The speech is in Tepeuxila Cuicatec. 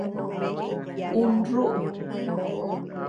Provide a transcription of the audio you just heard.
Un rúʼu.